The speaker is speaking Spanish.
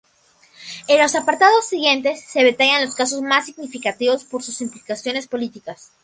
En los apartados siguientes se detallan los casos más significativos por sus implicaciones políticas.